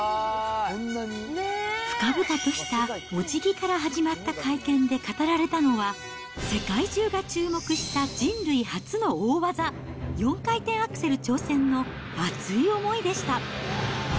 深々としたおじぎから始まった会見で語られたのは、世界中が注目した人類初の大技、４回転アクセル挑戦の熱い思いでした。